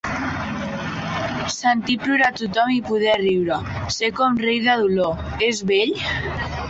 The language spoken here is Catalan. Sentir plorar a tothom i poder riure, ser com rei de dolor, és bell?